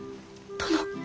殿。